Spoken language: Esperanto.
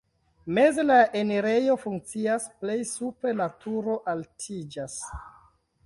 Meze la enirejo funkcias, plej supre la turo altiĝas.